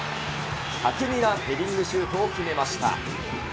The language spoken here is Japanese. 巧みなヘディングシュートを決めました。